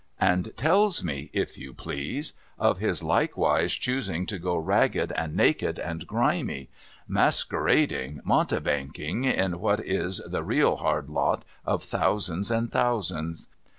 And tells me, if you please, of his likewise choosing to go ragged and naked, and grimy — maskerading, mountebanking, in what is the real hard lot of thousands and thousands